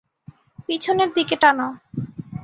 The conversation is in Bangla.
পিছনের দিকে টান।